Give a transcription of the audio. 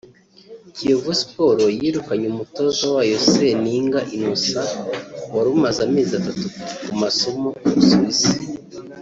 Kiyovu Sports yirukanye umutoza wayo Seninga Innocent wari umaze amezi atatu ku masomo mu Busuwisi